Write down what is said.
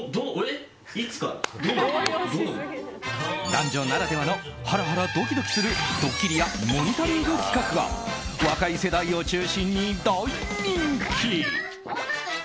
男女ならではのハラハラドキドキするドッキリやモニタリング企画が若い世代を中心に大人気。